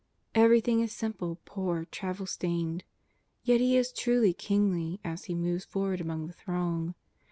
Everything is simple, poor, travel stained. Yet He is truly kingly as He moves forward among the throng.